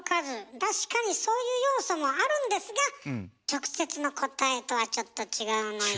確かにそういう要素もあるんですが直接の答えとはちょっと違うのよ。